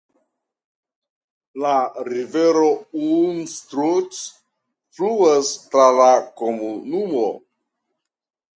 La rivero Unstrut fluas tra la komunumo.